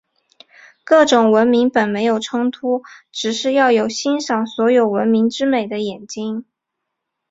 各种文明本没有冲突，只是要有欣赏所有文明之美的眼睛。